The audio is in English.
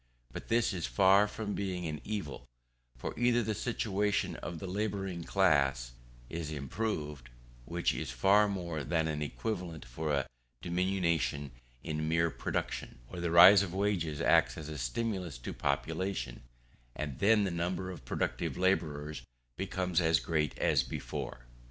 But this is far from being an evil; for either the situation of the labouring classes is improved, which is far more than an equivalent for a diminution in mere production, or the rise of wages acts as a stimulus to population, and then the number of productive labourers becomes as great as before.